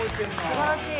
すばらしい！